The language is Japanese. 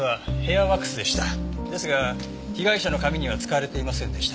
ですが被害者の髪には使われていませんでした。